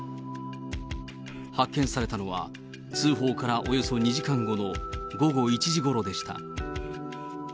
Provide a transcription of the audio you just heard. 発見されたのは、通報からおよそ２時間後の午後１時ごろでした。